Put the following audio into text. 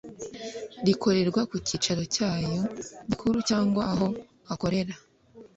rikorerwa ku cyicaro cyayo gikuru cyangwa aho akorera